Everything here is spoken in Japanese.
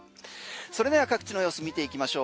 それでは各地の様子見ていきましょう。